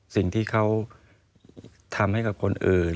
สิ่งที่เขาทำให้กับคนอื่น